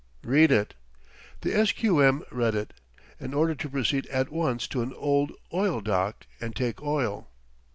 "Read it." The S. Q. M. read it an order to proceed at once to an oil dock and take oil.